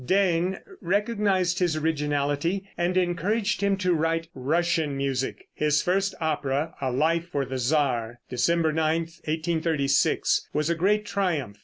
Dehn recognized his originality and encouraged him to write "Russian" music. His first opera, "A Life for the Czar" (December 9, 1836), was a great triumph.